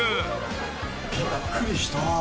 びっくりした。